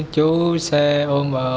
chú xe ôm